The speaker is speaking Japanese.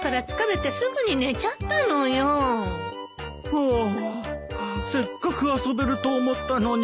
ああせっかく遊べると思ったのに。